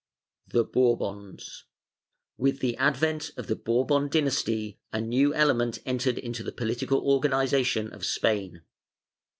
The Bourbons. With the advent of the Bourbon dynasty a new element entered into the political organization of Spain.